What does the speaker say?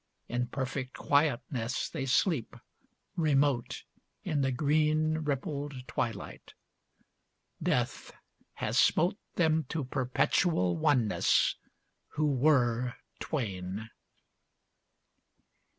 In perfect quietness they sleep, remote In the green, rippled twilight. Death has smote Them to perpetual oneness who were twain.